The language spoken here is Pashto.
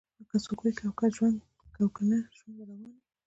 که څوک وي او کنه ژوند به روان وي